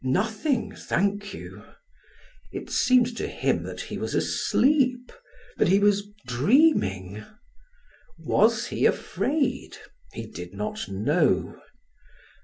"Nothing, thank you." It seemed to him that he was asleep, that he was dreaming. Was he afraid? He did not know.